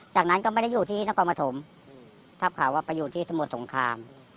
จากนั้นก็ไม่ได้อยู่ที่นครปฐมทับข่าวว่าไปอยู่ที่สมุทรสงคราม